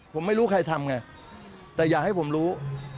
ผมไม่รู้ใครทำไงแต่อยากให้ผมรู้